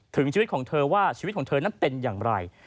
ถึงชีวิตของเธอว่าชีวิตของเธอนั้นเป็นอย่างไร